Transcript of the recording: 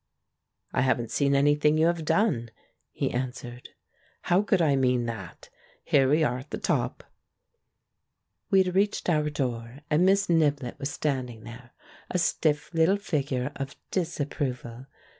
"I haven't seen anything you have done," he answered; "how could I mean that? ... Here we are at the top!" We had reached our door, and Miss Niblett was standing there, a stiff little figure of disap proval.